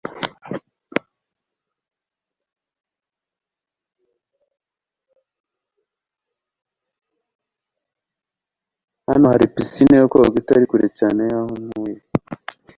Hano hari pisine yo koga itari kure cyane y'aho ntuye.